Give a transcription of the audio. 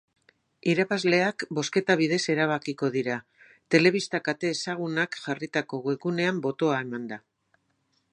Irabazleak bozketa bidez erabakiko dira, telebista kate ezagunak jarritako webgunean botoa emanda.